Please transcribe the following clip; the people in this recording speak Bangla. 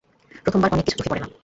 প্রথম বার অনেক কিছু চোখে পড়ে না।